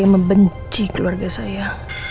yang membenci keluarga saya